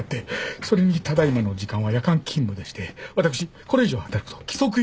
それにただ今の時間は夜間勤務でして私これ以上働くと規則違反に。